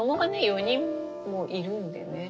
４人もいるんでね。